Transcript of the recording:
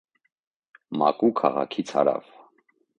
Մակու քաղաքից հարավ։